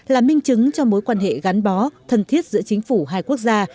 là minh chứng cho mối quan hệ gắn bó thân thiết giữa chính phủ hai quốc gia